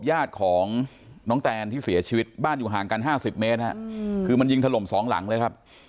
ญาติของน้องแตนที่เสียชีวิตบ้านอยู่ห่างกัน๕๐เมตรคือมันยิงถล่มสองหลังเลยครับ